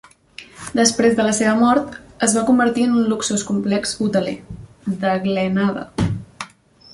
Després de la seva mort, es va convertir en un luxós complex hoteler, The Glenada.